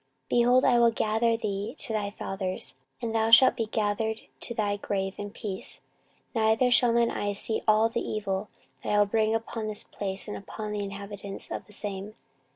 14:034:028 Behold, I will gather thee to thy fathers, and thou shalt be gathered to thy grave in peace, neither shall thine eyes see all the evil that I will bring upon this place, and upon the inhabitants of the same.